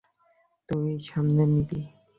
তুই সামলে নিবি।